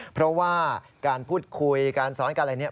เพราะว่าการพูดคุยการซ้อนการอะไรเนี่ย